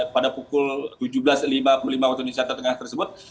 pada pukul tujuh belas lima puluh lima waktu indonesia tengah tersebut